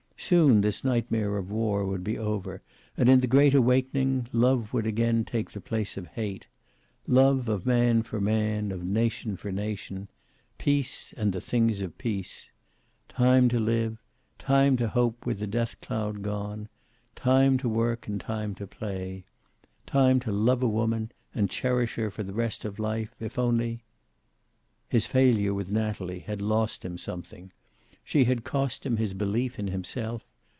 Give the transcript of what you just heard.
Soon this nightmare of war would be over, and in the great awakening love would again take the place of hate. Love of man for man, of nation for nation. Peace and the things of peace. Time to live. Time to hope, with the death cloud gone. Time to work and time to play. Time to love a woman and cherish her for the rest of life, if only His failure with Natalie had lost him something. She had cost him his belief in himself.